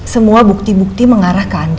semua bukti bukti mengarah ke andin